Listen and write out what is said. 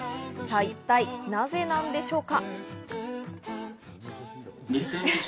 一体なぜなんでしょうか。